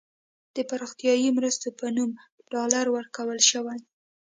د پراختیايي مرستو په نوم ډالر ورکړل شوي.